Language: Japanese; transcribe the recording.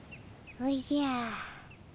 おじゃ。